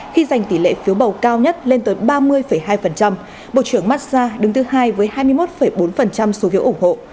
khi giành tỷ lệ phiếu bầu cao nhất lên tới ba mươi hai bộ trưởng mazda đứng thứ hai với hai mươi một bốn số phiếu ủng hộ